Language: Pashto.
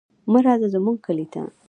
مه راځه زموږ کلي ته.